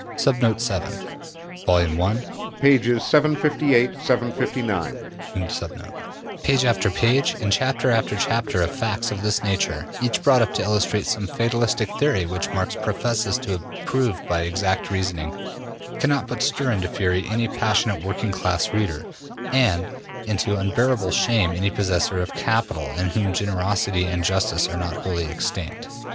'' Vol. i, pp. 758, 759. Page after page and chapter after chapter of facts of this nature, each brought up to illustrate some fatalistic theory which Marx professes to have proved by exact reasoning, cannot but stir into fury any passionate working class reader, and into unbearable shame any possessor of capital in whom generosity and justice are not wholly extinct.